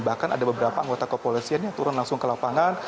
bahkan ada beberapa anggota kepolisian yang turun langsung ke lapangan